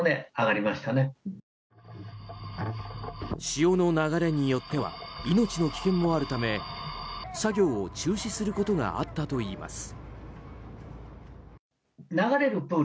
潮の流れによっては命の危険もあるため作業を中止することがあったといいます。